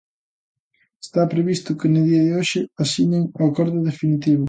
Está previsto que no día de hoxe asinen o acordo definitivo.